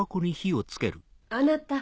あなた。